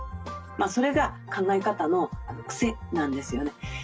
それが考え方のクセなんですよね。